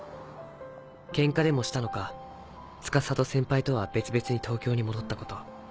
ケンカでもしたのか司と先輩とは別々に東京に戻ったこと。